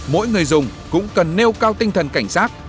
mỗi người dùng cũng cần nêu cao tinh thần cảnh sát